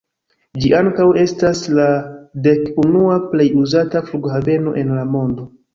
Ĝi ankaŭ estas la dek-unua plej uzata flughaveno en la mondo.